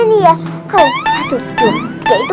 kalian satu dua tiga itu